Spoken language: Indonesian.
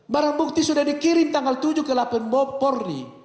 barang bukti sudah dikirim tanggal tujuh ke laprim